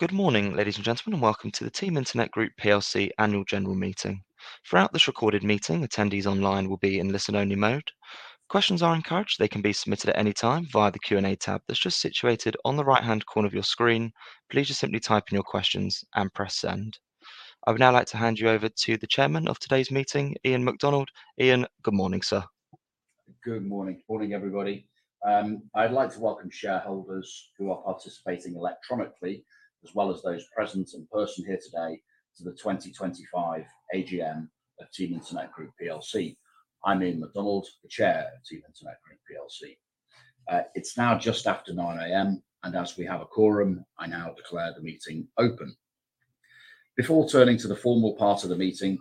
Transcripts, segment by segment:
Good morning, ladies and gentlemen, and welcome to the Team Internet Group annual general meeting. Throughout this recorded meeting, attendees online will be in listen-only mode. Questions are encouraged. They can be submitted at any time via the Q&A tab that's just situated on the right-hand corner of your screen. Please just simply type in your questions and press send. I would now like to hand you over to the chairman of today's meeting, Iain McDonald. Iain, good morning, sir. Good morning. Good morning, everybody. I'd like to welcome shareholders who are participating electronically, as well as those present in person here today, to the 2025 AGM of Team Internet Group PLC. I'm Iain McDonald, the chair of Team Internet Group PLC. It's now just after 9:00 A.M., and as we have a quorum, I now declare the meeting open. Before turning to the formal part of the meeting,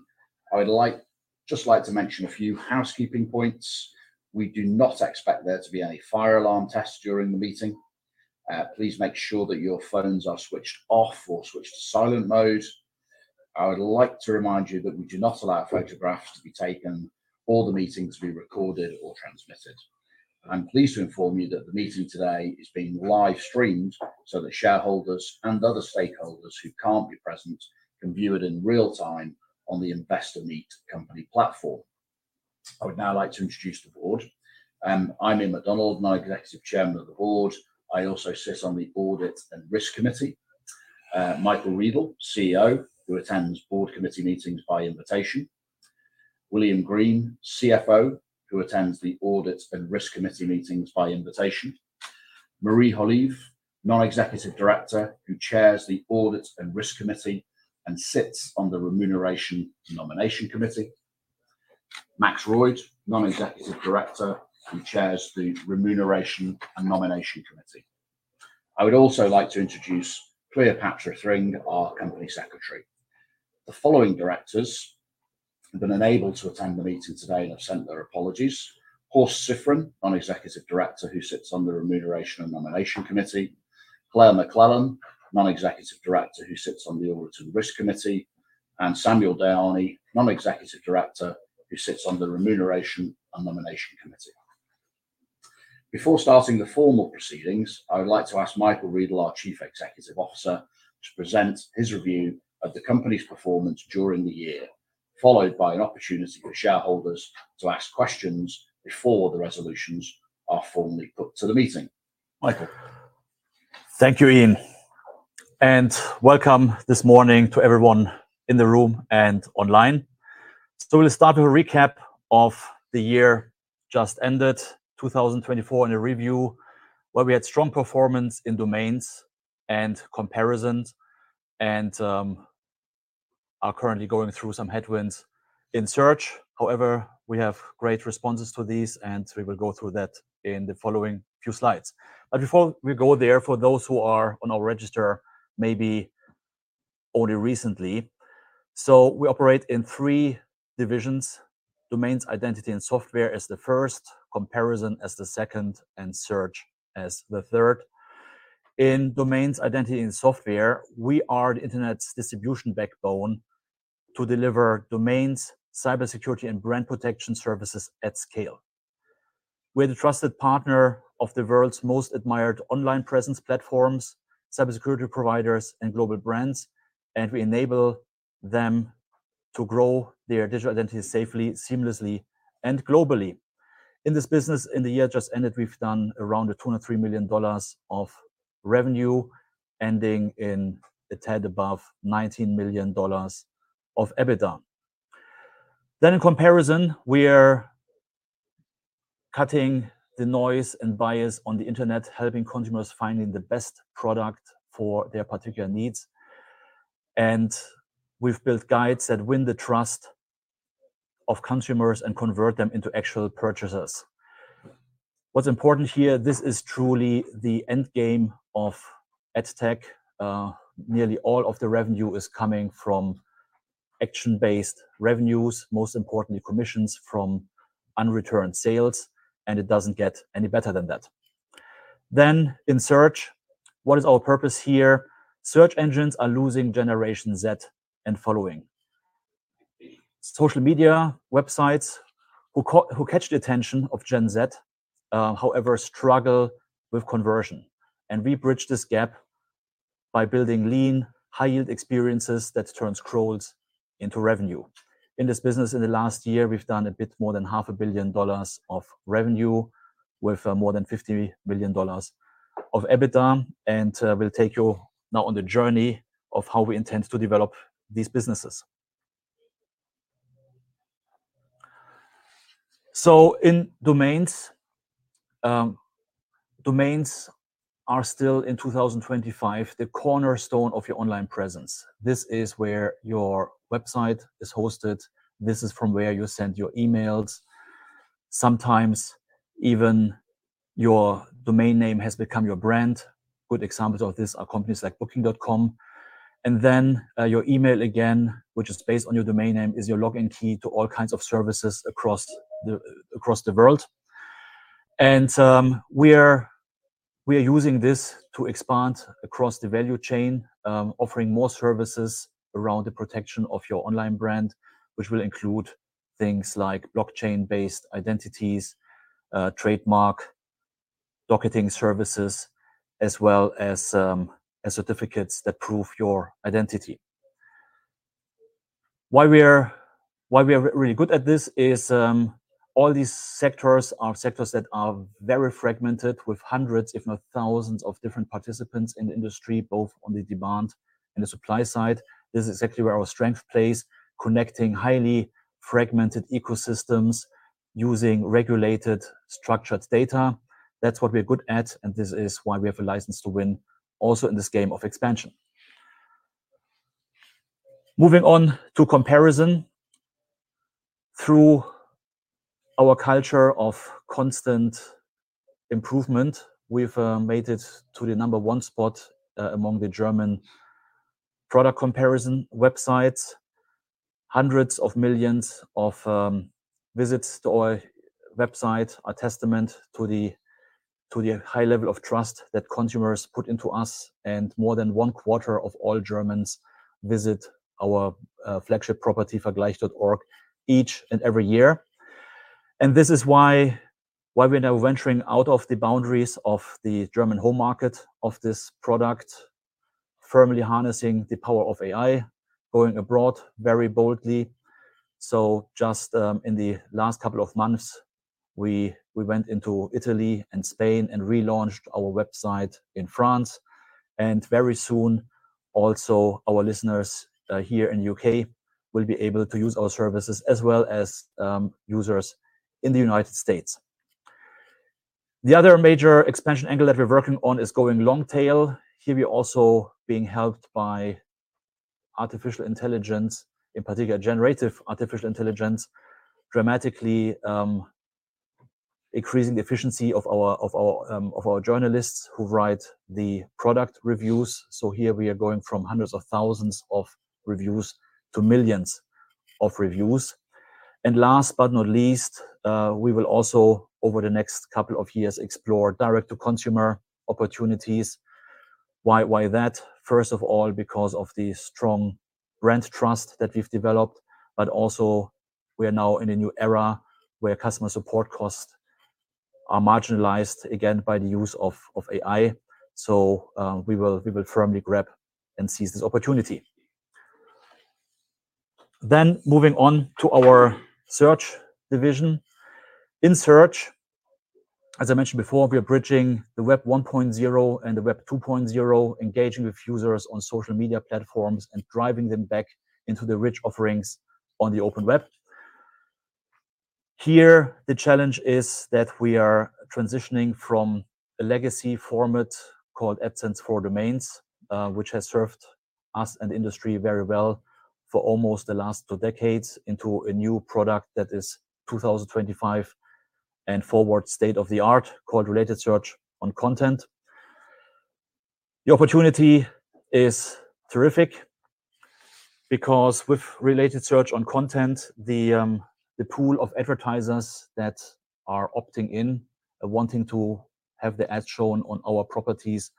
I would just like to mention a few housekeeping points. We do not expect there to be any fire alarm tests during the meeting. Please make sure that your phones are switched off or switched to silent mode. I would like to remind you that we do not allow photographs to be taken, or the meeting to be recorded or transmitted. I'm pleased to inform you that the meeting today is being live-streamed so that shareholders and other stakeholders who can't be present can view it in real time on the Investor Meet Company platform. I would now like to introduce the board. I'm Iain McDonald, and I'm the Executive Chairman of the board. I also sit on the Audit and Risk Committee. Michael Riedl, CEO, who attends board committee meetings by invitation. William Green, CFO, who attends the Audit and Risk Committee meetings by invitation. Marie Holive, Non-Executive Director, who chairs the Audit and Risk Committee and sits on the Remuneration and Nomination Committee. Max Royde, Non-Executive Director, who chairs the Remuneration and Nomination Committee. I would also like to introduce Cleopatra Thring, our Company Secretary. The following directors have been unable to attend the meeting today and have sent their apologies. Horst Siffrin, non-executive director, who sits on the Remuneration and Nomination Committee. Claire MacLellan, non-executive director, who sits on the Audit and Risk Committee. Samuel Dayani, non-executive director, who sits on the Remuneration and Nomination Committee. Before starting the formal proceedings, I would like to ask Michael Riedl, our Chief Executive Officer, to present his review of the company's performance during the year, followed by an opportunity for shareholders to ask questions before the resolutions are formally put to the meeting. Michael. Thank you, Iain. Welcome this morning to everyone in the room and online. We will start with a recap of the year just ended, 2024, in a review where we had strong performance In Domains and Comparisons and are currently going through some headwinds In Search. However, we have great responses to these, and we will go through that in the following few slides. Before we go there, for those who are on our register, maybe only recently. We operate in three divisions: Domains, Identity, and Software as the first, Comparison as the second, and Search as the third. In Domains, Identity, and Software, we are the Internet's distribution backbone to deliver domains, cybersecurity, and brand protection services at scale. We're the trusted partner of the world's most admired online presence platforms, cybersecurity providers, and global brands, and we enable them to grow their digital identity safely, seamlessly, and globally. In this business, in the year just ended, we've done around $203 million of revenue, ending in a tad above $19 million of EBITDA. In Comparison, we're cutting the noise and bias on the internet, helping consumers find the best product for their particular needs. We've built guides that win the trust of consumers and convert them into actual purchasers. What's important here, this is truly the endgame of AdTech. Nearly all of the revenue is coming from action-based revenues, most importantly, commissions from unreturned sales, and it doesn't get any better than that. In Search, what is our purpose here? Search engines are losing Generation Z and following. Social media websites who catch the attention of Gen Z, however, struggle with conversion. We bridge this gap by building lean, high-yield experiences that turn scrolls into revenue. In this business, in the last year, we've done a bit more than $500,000,000 of revenue with more than $50,000,000 of EBITDA. We'll take you now on the journey of how we intend to develop these businesses. In Domains, domains are still, in 2025, the cornerstone of your online presence. This is where your website is hosted. This is from where you send your emails. Sometimes, even your domain name has become your brand. Good examples of this are companies like Booking.com. Your email again, which is based on your domain name, is your login key to all kinds of services across the world. We are using this to expand across the value chain, offering more services around the protection of your online brand, which will include things like blockchain-based identities, trademark docketing services, as well as certificates that prove your identity. Why we are really good at this is, all these sectors are sectors that are very fragmented with hundreds, if not thousands, of different participants in the industry, both on the demand and the supply side. This is exactly where our strength plays, connecting highly fragmented ecosystems using regulated, structured data. That is what we are good at, and this is why we have a license to win also in this game of expansion. Moving on to Comparison, through our culture of constant improvement, we have made it to the number one spot among the German product comparison websites. Hundreds of millions of visits to our website are a testament to the high level of trust that consumers put into us, and more than one quarter of all Germans visit our flagship property, Vergleich.org, each and every year. This is why we're now venturing out of the boundaries of the German home market of this product, firmly harnessing the power of AI, going abroad very boldly. Just in the last couple of months, we went into Italy and Spain and relaunched our website in France. Very soon, also, our listeners here in the U.K. will be able to use our services as well as users in the United States. The other major expansion angle that we're working on is going long tail. Here we are also being helped by artificial intelligence, in particular, generative artificial intelligence, dramatically increasing the efficiency of our journalists who write the product reviews. Here we are going from hundreds of thousands of reviews to millions of reviews. Last but not least, we will also, over the next couple of years, explore direct-to-consumer opportunities. Why that? First of all, because of the strong brand trust that we've developed, but also we are now in a new era where customer support costs are marginalized again by the use of AI. We will firmly grab and seize this opportunity. Moving on to our Search division. In Search, as I mentioned before, we are bridging the Web 1.0 and the Web 2.0, engaging with users on social media platforms and driving them back into the rich offerings on the open web. Here, the challenge is that we are transitioning from a legacy format called AdSense for Domains, which has served us and industry very well for almost the last two decades into a new product that is 2025 and forward state-of-the-art called Related Search on Content. The opportunity is terrific because with Related Search on Content, the pool of advertisers that are opting in and wanting to have the ad shown on our properties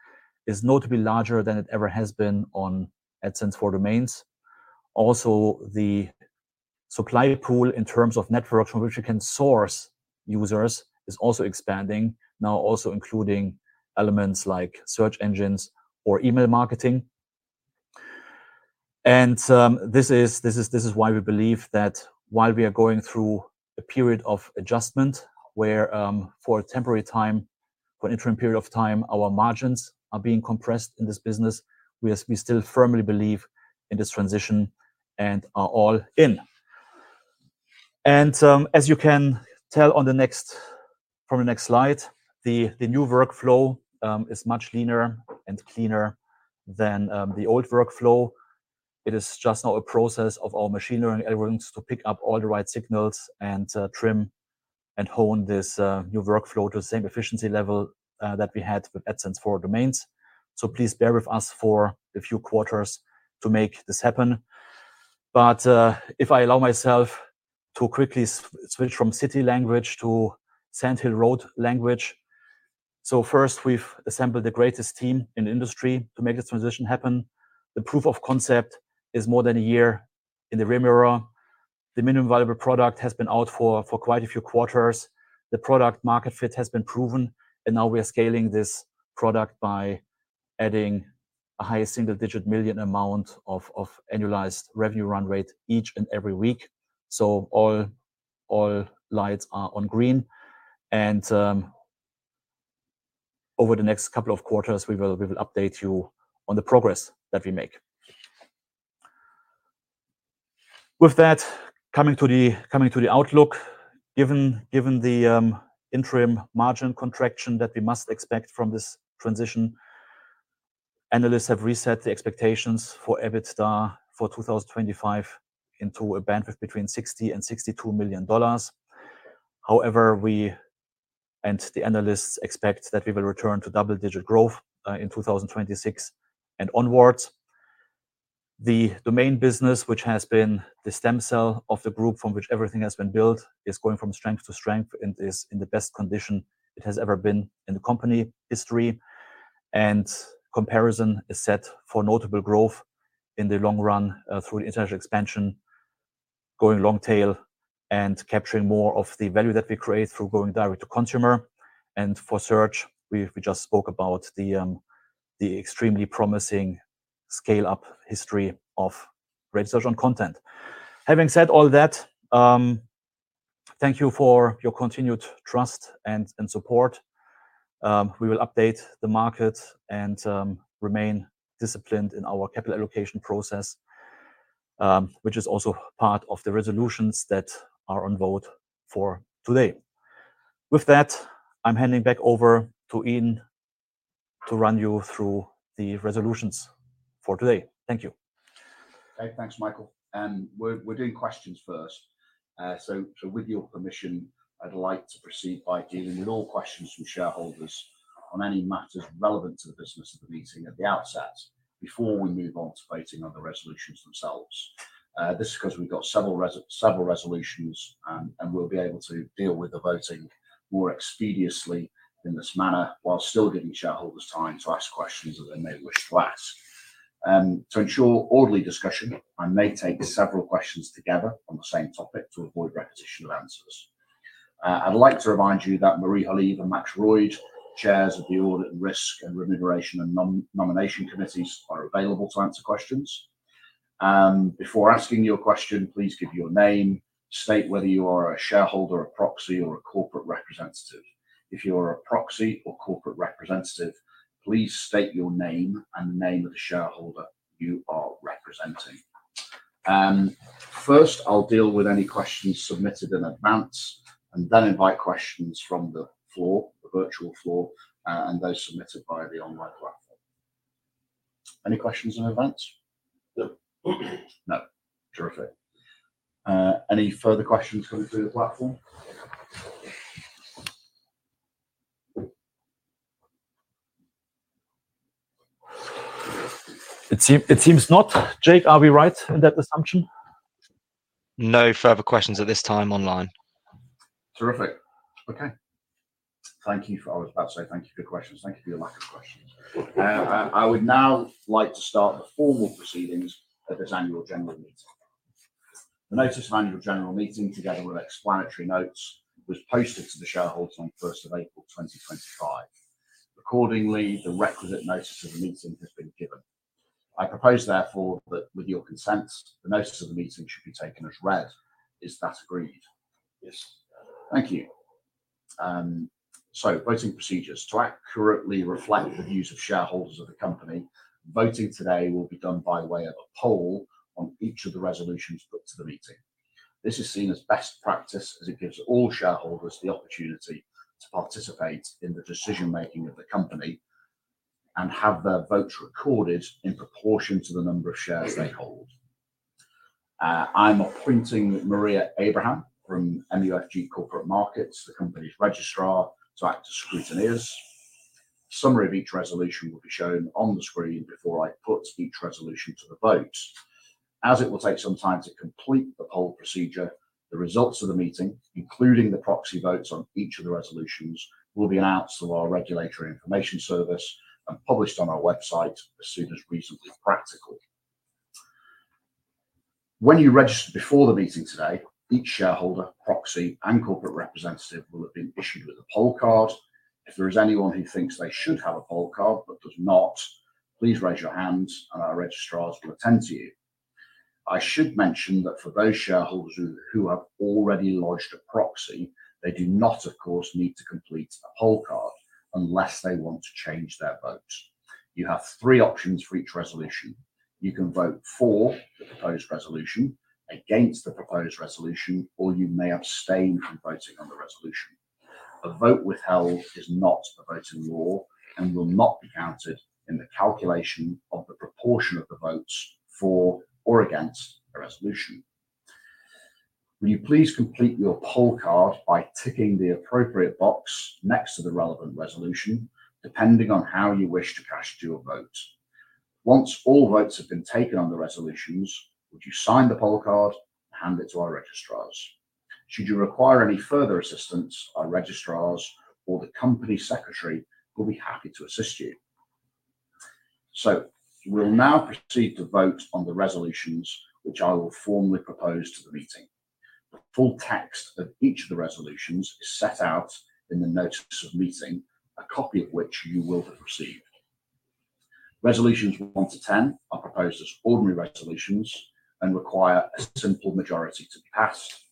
is notably larger than it ever has been on AdSense for Domains. Also, the supply pool in terms of networks from which you can source users is also expanding, now also including elements like search engines or email marketing. This is why we believe that while we are going through a period of adjustment where, for a temporary time, for an interim period of time, our margins are being compressed in this business, we still firmly believe in this transition and are all in. As you can tell from the next slide, the new workflow is much leaner and cleaner than the old workflow. It is just now a process of our machine learning algorithms to pick up all the right signals and trim and hone this new workflow to the same efficiency level that we had with AdSense for Domains. Please bear with us for a few quarters to make this happen. If I allow myself to quickly switch from City language to Sand Hill Road language. First, we've assembled the greatest team in the industry to make this transition happen. The proof of concept is more than a year in the rear mirror. The minimum viable product has been out for quite a few quarters. The product market fit has been proven, and now we are scaling this product by adding a high single-digit million amount of annualized revenue run rate each and every week. All lights are on green. Over the next couple of quarters, we will update you on the progress that we make. With that, coming to the outlook, given the interim margin contraction that we must expect from this transition, analysts have reset the expectations for EBITDA for 2025 into a bandwidth between $60 million and $62 million. However, we and the analysts expect that we will return to double-digit growth in 2026 and onwards. The domain business, which has been the stem cell of the group from which everything has been built, is going from strength to strength and is in the best condition it has ever been in the company history. Comparison is set for notable growth in the long run through the international expansion, going long tail and capturing more of the value that we create through going direct to consumer. For search, we just spoke about the extremely promising scale-up history of Related Search on Content. Having said all that, thank you for your continued trust and support. We will update the market and remain disciplined in our capital allocation process, which is also part of the resolutions that are on vote for today. With that, I'm handing back over to Iain to run you through the resolutions for today. Thank you. Okay. Thanks, Michael. We're doing questions first. With your permission, I'd like to proceed by dealing with all questions from shareholders on any matters relevant to the business of the meeting at the outset before we move on to voting on the resolutions themselves. This is because we've got several resolutions, and we'll be able to deal with the voting more expeditiously in this manner while still giving shareholders time to ask questions that they may wish to ask. To ensure orderly discussion, I may take several questions together on the same topic to avoid repetition of answers. I'd like to remind you that Marie Holive and Max Royde, chairs of the Audit and Risk and Remuneration and Nomination Committees, are available to answer questions. Before asking your question, please give your name, state whether you are a shareholder, a proxy, or a corporate representative. If you are a proxy or corporate representative, please state your name and the name of the shareholder you are representing. First, I'll deal with any questions submitted in advance and then invite questions from the floor, the virtual floor, and those submitted by the online platform. Any questions in advance? No. Terrific. Any further questions coming through the platform? It seems not. Jake, are we right in that assumption? No further questions at this time online. Terrific. Okay. Thank you. I was about to say thank you. Good questions. Thank you for your lack of questions. I would now like to start the formal proceedings of this annual general meeting. The notice of annual general meeting together with explanatory notes was posted to the shareholders on 1st of April 2025. Accordingly, the requisite notice of the meeting has been given. I propose, therefore, that with your consent, the notice of the meeting should be taken as read. Is that agreed? Yes. Thank you. Voting procedures. To accurately reflect the views of shareholders of the company, voting today will be done by way of a poll on each of the resolutions put to the meeting. This is seen as best practice as it gives all shareholders the opportunity to participate in the decision-making of the company and have their votes recorded in proportion to the number of shares they hold. I'm appointing Maria Abraham from MUFG Corporate Markets, the company's registrar, to act as scrutineers. A summary of each resolution will be shown on the screen before I put each resolution to the vote. As it will take some time to complete the poll procedure, the results of the meeting, including the proxy votes on each of the resolutions, will be announced through our regulatory information service and published on our website as soon as reasonably practicable. When you registered before the meeting today, each shareholder, proxy, and corporate representative will have been issued with a poll card. If there is anyone who thinks they should have a poll card but does not, please raise your hand, and our registrars will attend to you. I should mention that for those shareholders who have already lodged a proxy, they do not, of course, need to complete a poll card unless they want to change their votes. You have three options for each resolution. You can vote for the proposed resolution, against the proposed resolution, or you may abstain from voting on the resolution. A vote withheld is not a vote in law and will not be counted in the calculation of the proportion of the votes for or against a resolution. Will you please complete your poll card by ticking the appropriate box next to the relevant resolution, depending on how you wish to cast your vote? Once all votes have been taken on the resolutions, would you sign the poll card and hand it to our registrars? Should you require any further assistance, our registrars or the company secretary will be happy to assist you. We'll now proceed to vote on the resolutions, which I will formally propose to the meeting. The full text of each of the resolutions is set out in the notice of meeting, a copy of which you will have received. Resolutions 1 to 10 are proposed as ordinary resolutions and require a simple majority to be passed.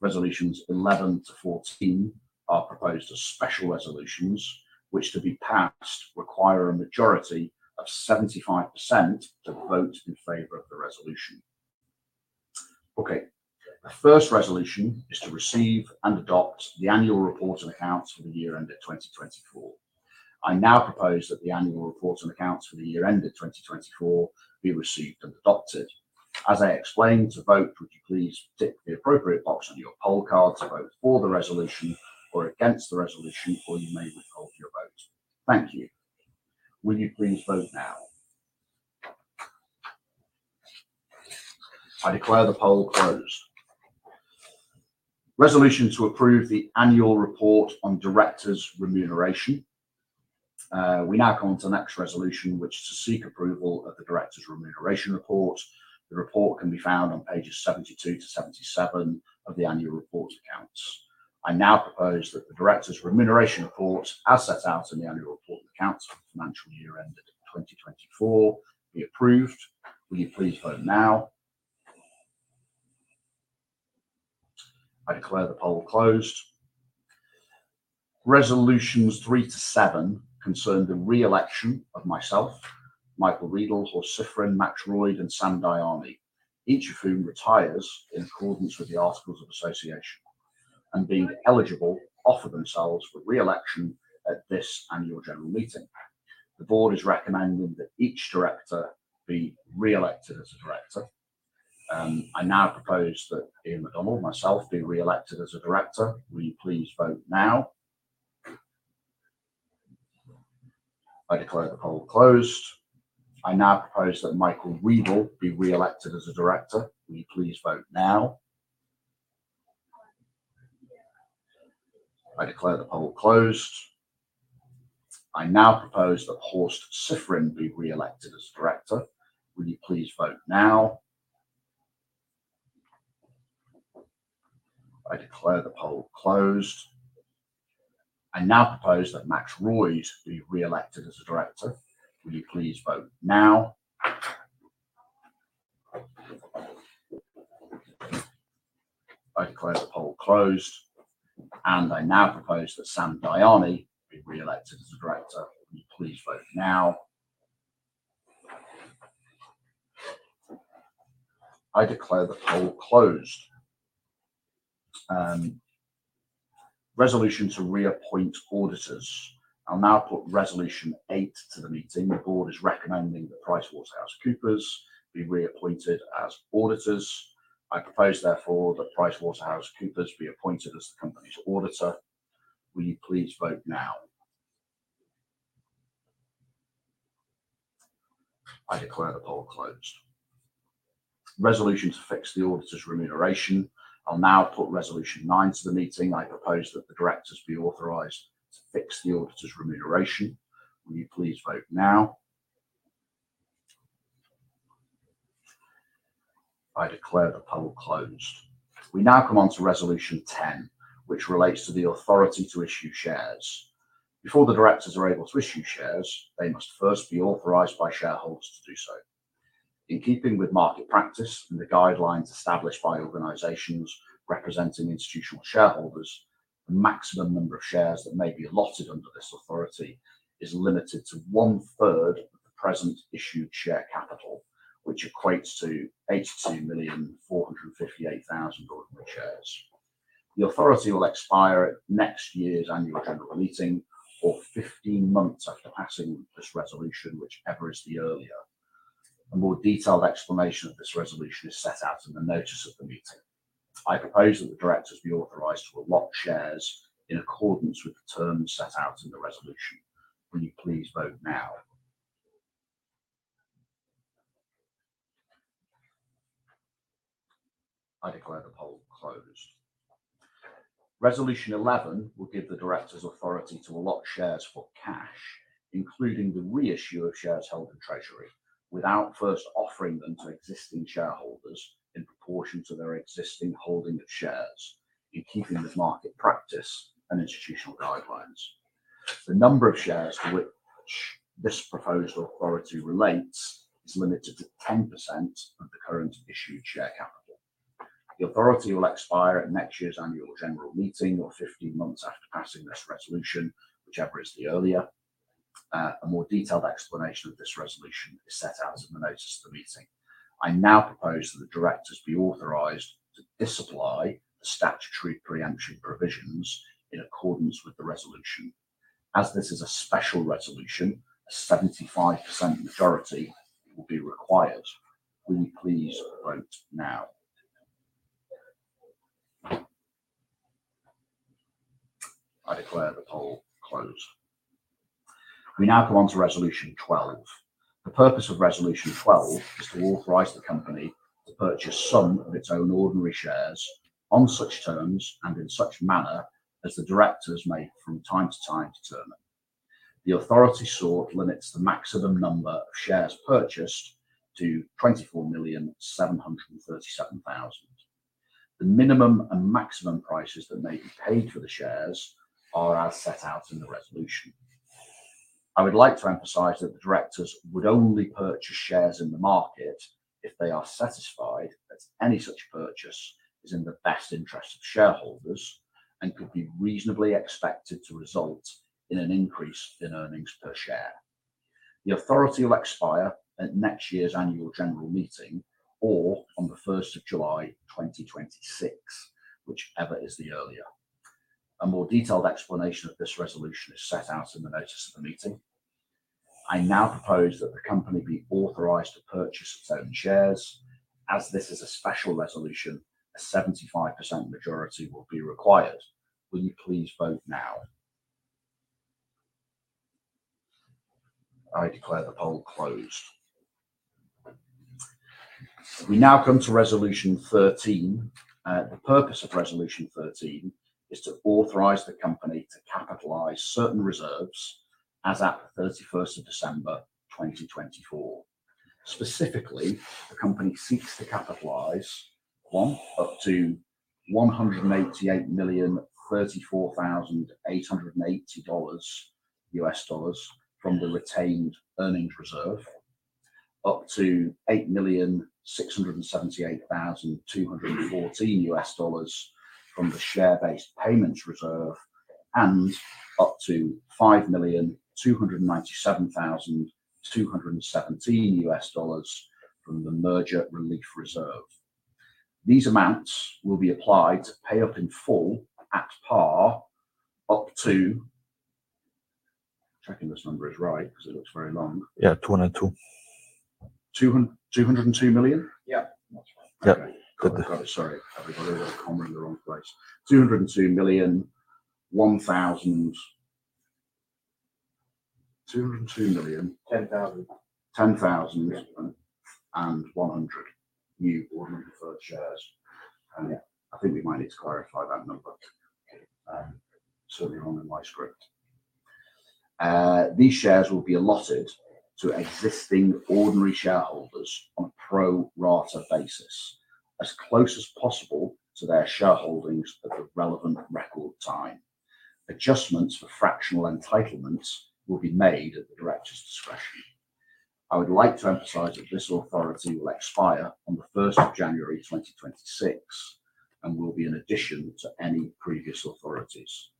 Resolutions 11 to 14 are proposed as special resolutions, which to be passed require a majority of 75% to vote in favor of the resolution. Okay. The first resolution is to receive and adopt the annual reports and accounts for the year ended 2024. I now propose that the annual reports and accounts for the year ended 2024 be received and adopted. As I explained, to vote, would you please tick the appropriate box on your poll card to vote for the resolution or against the resolution, or you may withhold your vote. Thank you. Will you please vote now? I declare the poll closed. Resolution to approve the annual report on directors' remuneration. We now come on to the next resolution, which is to seek approval of the directors' remuneration report. The report can be found on pages 72 to 77 of the annual reports and accounts. I now propose that the directors' remuneration report, as set out in the annual report and accounts for the financial year ended 2024, be approved. Will you please vote now? I declare the poll closed. Resolutions 3 to 7 concern the reelection of myself, Michael Riedl, Horst Siffrin, Max Royde, and Samuel Dayani, each of whom retires in accordance with the articles of association, and being eligible, offer themselves for reelection at this annual general meeting. The board is recommending that each director be reelected as a director. I now propose that Iain McDonald, myself, be reelected as a director. Will you please vote now? I declare the poll closed. I now propose that Michael Riedl be reelected as a director. Will you please vote now? I declare the poll closed. I now propose that Horst Siffrin be reelected as a director. Will you please vote now? I declare the poll closed. I now propose that Max Royde be reelected as a director. Will you please vote now? I declare the poll closed. I now propose that Samuel Dayani be reelected as a director. Will you please vote now? I declare the poll closed. Resolution to reappoint auditors. I'll now put resolution 8 to the meeting. The board is recommending that PricewaterhouseCoopers be reappointed as auditors. I propose, therefore, that PricewaterhouseCoopers be appointed as the company's auditor. Will you please vote now? I declare the poll closed. Resolution to fix the auditor's remuneration. I'll now put resolution 9 to the meeting. I propose that the directors be authorized to fix the auditor's remuneration. Will you please vote now? I declare the poll closed. We now come on to resolution 10, which relates to the authority to issue shares. Before the directors are able to issue shares, they must first be authorized by shareholders to do so. In keeping with market practice and the guidelines established by organizations representing institutional shareholders, the maximum number of shares that may be allotted under this authority is limited to one-third of the present issued share capital, which equates to 82,458,000 ordinary shares. The authority will expire at next year's annual general meeting or 15 months after passing this resolution, whichever is the earlier. A more detailed explanation of this resolution is set out in the notice of the meeting. I propose that the directors be authorized to allot shares in accordance with the terms set out in the resolution. Will you please vote now? I declare the poll closed. Resolution 11 will give the directors authority to allot shares for cash, including the reissue of shares held in treasury, without first offering them to existing shareholders in proportion to their existing holding of shares, in keeping with market practice and institutional guidelines. The number of shares to which this proposed authority relates is limited to 10% of the current issued share capital. The authority will expire at next year's annual general meeting or 15 months after passing this resolution, whichever is the earlier. A more detailed explanation of this resolution is set out in the notice of the meeting. I now propose that the directors be authorized to disapply the statutory preemption provisions in accordance with the resolution. As this is a special resolution, a 75% majority will be required. Will you please vote now? I declare the poll closed. We now come on to resolution 12. The purpose of resolution 12 is to authorize the company to purchase some of its own ordinary shares on such terms and in such manner as the directors may from time to time determine. The authority sought limits the maximum number of shares purchased to 24,737,000. The minimum and maximum prices that may be paid for the shares are as set out in the resolution. I would like to emphasize that the directors would only purchase shares in the market if they are satisfied that any such purchase is in the best interest of shareholders and could be reasonably expected to result in an increase in earnings per share. The authority will expire at next year's annual general meeting or on the 1st of July 2026, whichever is the earlier. A more detailed explanation of this resolution is set out in the notice of the meeting. I now propose that the company be authorized to purchase its own shares. As this is a special resolution, a 75% majority will be required. Will you please vote now? I declare the poll closed. We now come to resolution 13. The purpose of resolution 13 is to authorize the company to capitalize certain reserves as at the 31st of December 2024. Specifically, the company seeks to capitalize up to $188,034,880 from the retained earnings reserve, up to $8,678,214 from the share-based payments reserve, and up to $5,297,217 from the merger relief reserve. These amounts will be applied to pay up in full at par up to checking this number is right because it looks very long. Yeah, 202. 202 million? Yeah. That's right. Yeah. Good. Sorry. Everybody's got a comma in the wrong place. $202,001,000. 202 million. 10,000. 10,000 and 100 new ordinary deferred shares. I think we might need to clarify that number. Certainly wrong in my script. These shares will be allotted to existing ordinary shareholders on a pro-rata basis as close as possible to their shareholdings at the relevant record time. Adjustments for fractional entitlements will be made at the directors' discretion. I would like to emphasize that this authority will expire on January 1, 2026 and will be in addition to any previous authorities.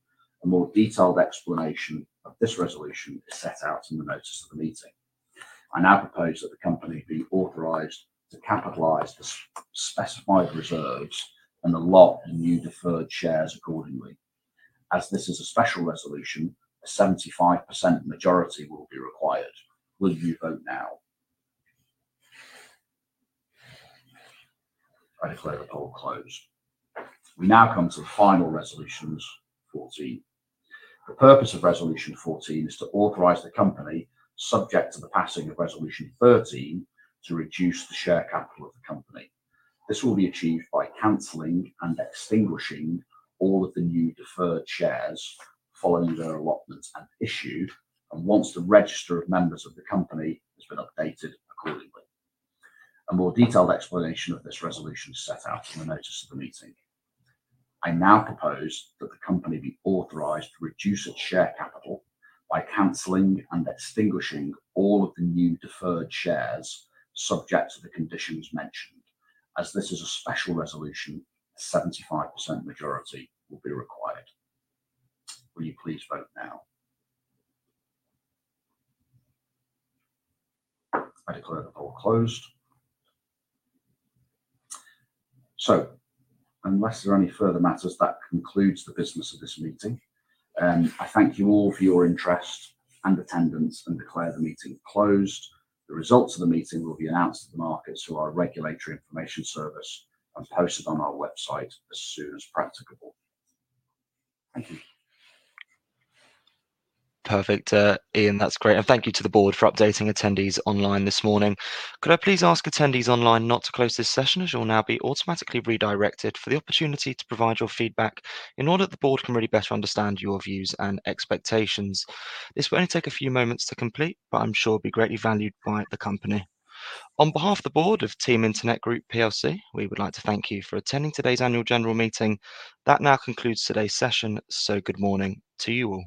A more detailed explanation of this resolution is set out in the notice of the meeting. I now propose that the company be authorized to capitalize the specified reserves and allot the new deferred shares accordingly. As this is a special resolution, a 75% majority will be required. Will you vote now? I declare the poll closed. We now come to the final resolutions, 14. The purpose of resolution 14 is to authorize the company, subject to the passing of resolution 13, to reduce the share capital of the company. This will be achieved by canceling and extinguishing all of the new deferred shares following their allotment and issue, and once the register of members of the company has been updated accordingly. A more detailed explanation of this resolution is set out in the notice of the meeting. I now propose that the company be authorized to reduce its share capital by canceling and extinguishing all of the new deferred shares, subject to the conditions mentioned. As this is a special resolution, a 75% majority will be required. Will you please vote now? I declare the poll closed. Unless there are any further matters, that concludes the business of this meeting. I thank you all for your interest and attendance and declare the meeting closed. The results of the meeting will be announced to the markets through our regulatory information service and posted on our website as soon as practicable. Thank you. Perfect. Iain, that's great. Thank you to the board for updating attendees online this morning. Could I please ask attendees online not to close this session as you'll now be automatically redirected for the opportunity to provide your feedback in order that the board can really better understand your views and expectations? This will only take a few moments to complete, but I'm sure it'll be greatly valued by the company. On behalf of the board of Team Internet Group, we would like to thank you for attending today's annual general meeting. That now concludes today's session. Good morning to you all.